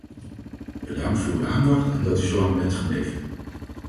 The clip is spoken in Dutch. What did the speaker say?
Bedankt voor uw aandacht en dat u zo lang bent gebleven.